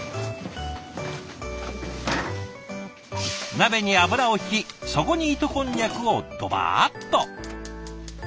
鍋に油をひきそこに糸こんにゃくをどばっと。